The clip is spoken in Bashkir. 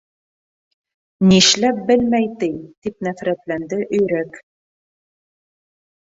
—Нишләп белмәй ти! —тип нәфрәтләнде Өйрәк.